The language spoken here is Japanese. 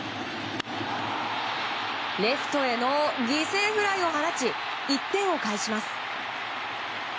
レフトへの犠牲フライを放ち１点を返します。